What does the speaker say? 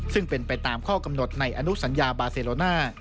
ซึ่งเป็นไปตามข้อกำหนดในอนุสัญญาบาเซโลน่า